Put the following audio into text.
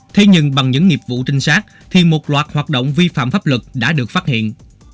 thế nhưng bằng những nghiệp vụ trinh sát thì một loạt hoạt động vi phạm pháp luật đã được phát hiện